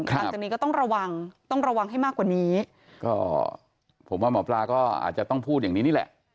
หลังจากนี้ก็ต้องระวังต้องระวังให้มากกว่านี้ก็ผมว่าหมอปลาก็อาจจะต้องพูดอย่างนี้นี่แหละ